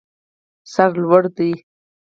سر لوړه ده.